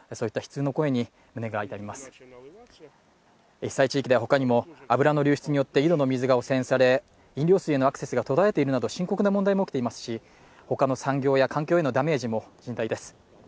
被災地域ではほかでも、油の流出によって井戸の水が汚染され、飲料水へのアクセスが途絶えているなど深刻な問題も起きていますし他の産業や環境へのダメージも心配です。